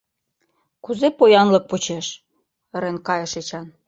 — Кузе поянлык почеш? — ырен кайыш Эчан.